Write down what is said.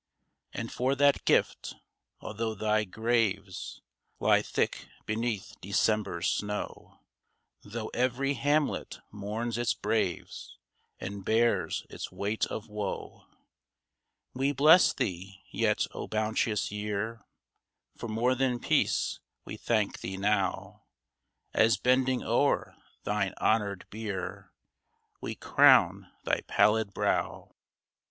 And for that gift — although thy graves Lie thick beneath December's snow, Though every hamlet mourns its braves, And bears its weight of woe — We bless thee ! Yet, O bounteous year, For more than Peace we thank thee now, As bending o'er thine honored bier, We crown thy pallid brow